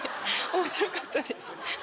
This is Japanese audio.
面白かったです。